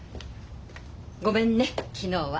ごめんね昨日は。